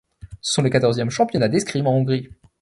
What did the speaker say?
Ce sont les quatorzièmes championnats d'escrime en Hongrie.